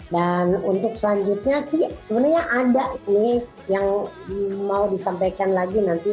dan untuk selanjutnya sih sebenarnya ada nih yang mau disampaikan lagi nanti